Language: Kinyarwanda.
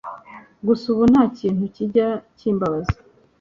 gusa ubu nta kintu kijya kimbabaza